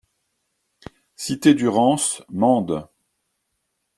Cité du Rance, Mende